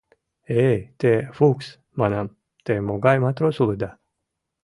— Эй, те, Фукс, — манам, — те могай матрос улыда?